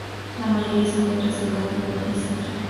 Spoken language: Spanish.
La mayoría se encuentra asentada en el Valle Central.